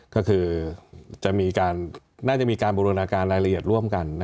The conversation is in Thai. ก็คือน่าจะมีการบริวณาการรายละเอียดร่วมกัน